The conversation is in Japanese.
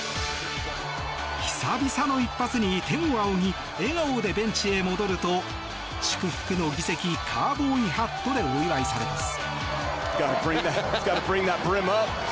久々の一発に天を仰ぎ笑顔でベンチへ戻ると祝福の儀式カウボーイハットでお祝いされます。